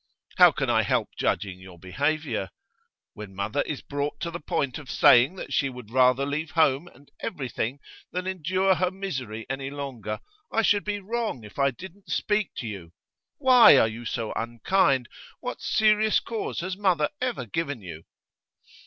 How can I help judging your behaviour? When mother is brought to the point of saying that she would rather leave home and everything than endure her misery any longer, I should be wrong if I didn't speak to you. Why are you so unkind? What serious cause has mother ever given you?